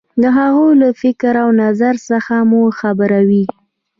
د هغو له فکر او نظر څخه مو خبروي.